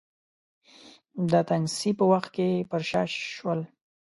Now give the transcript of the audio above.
د تنګسې په وخت کې پر شا شول.